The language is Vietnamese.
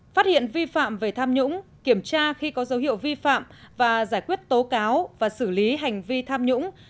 phát hiện vi phạm về tham nhũng kiểm tra khi có dấu hiệu vi phạm và giải quyết tố cáo và xử lý hành vi tham nhũng